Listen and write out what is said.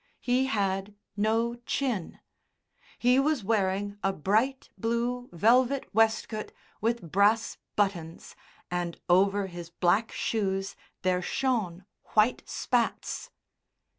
He had no chin. He was wearing a bright blue velvet waistcoat with brass buttons, and over his black shoes there shone white spats.